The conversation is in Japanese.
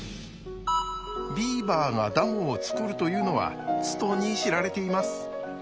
ビーバーがダムを作るというのはつとに知られています。